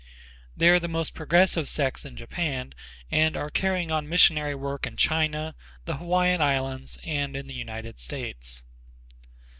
They are the most progressive sects in Japan and are carrying on missionary work in China, the Hawaiian Islands and in the United States.